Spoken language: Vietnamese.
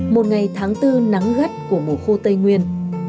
một ngày tháng bốn nắng gắt của mùa khô tây nguyên